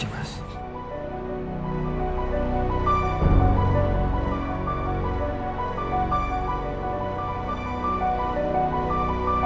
kamu akan menelan dia